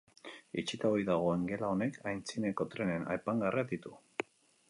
Itxita ohi dagoen gela honek aintzineko trenen apaingarriak ditu.